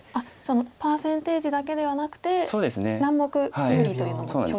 パーセンテージだけではなくて何目有利というのも表示されると。